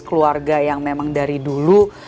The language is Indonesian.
keluarga yang memang dari dulu